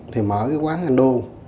thì mở cái quán ando